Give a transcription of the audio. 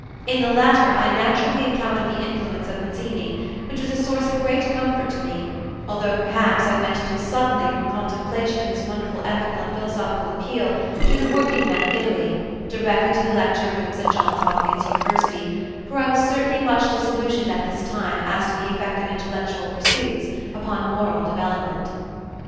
In the latter I naturally encountered the influence of Mazzini, which was a source of great comfort to me, although perhaps I went too suddenly from a contemplation of his wonderful ethical and philosophical appeal to the workingmen of Italy, directly to the lecture rooms at Johns Hopkins University, for I was certainly much disillusioned at this time as to the effect of intellectual pursuits upon moral development.